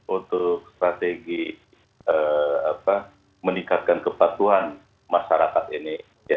untuk strategi meningkatkan kepatuhan masyarakat ini